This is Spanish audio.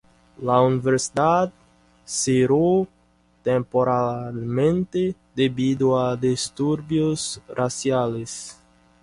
La universidad cerró temporalmente debido a disturbios raciales.